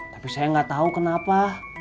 tapi saya nggak tahu kenapa